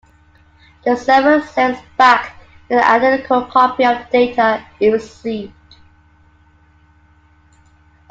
The server sends back an identical copy of the data it received.